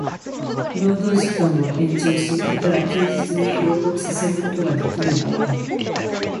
労働時間を延長し、又は休日に労働させることができる場合